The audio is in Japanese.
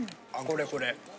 これこれ。